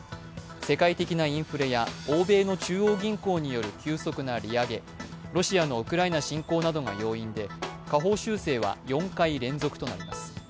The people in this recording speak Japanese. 世界的なインフレや欧米の中央銀行による急速な利上げロシアのウクライナ侵攻などが要因で下方修正は４回連続となります。